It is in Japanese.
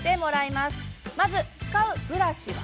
まず、使うブラシは。